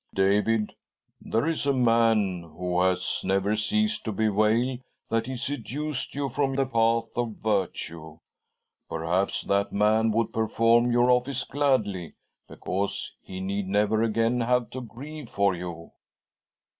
"" David, there is a man who. has never ceased to bewail that he seduced you from the path of virtue. Perhaps that man would perform your office gladly, because he need never again have to grieve for you.'.